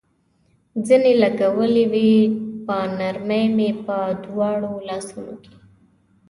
زنې لګولې وې، په نرمۍ مې په دواړو لاسونو.